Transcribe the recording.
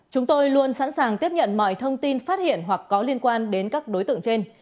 chúng tôi luôn sẵn sàng tiếp nhận mọi thông tin phát hiện hoặc có liên quan đến các đối tượng trên